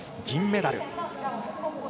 銀メダル。